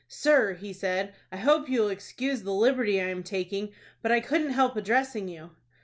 "Sir," he said, "I hope you will excuse the liberty I am taking, but I couldn't help addressing you."